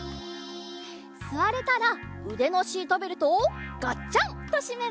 すわれたらうでのシートベルトをガッチャンとしめます。